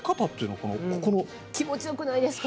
気持ち良くないですか？